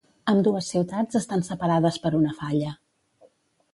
Ambdues ciutats estan separades per una falla.